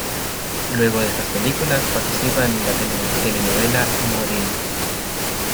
Luego de estas películas, participa en la telenovela "Morelia".